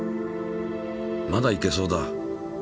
まだいけそうだ。